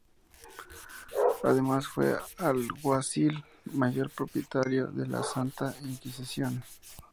Además fue alguacil mayor propietario de la Santa Inquisición.